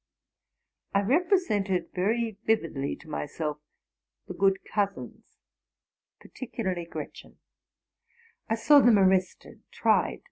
I represented very vividly to myself the good cousins, and particularly Gretchen: I saw them arrested, tried.